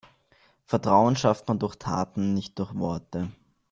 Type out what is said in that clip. Vertrauen schafft man durch Taten, nicht durch Worte.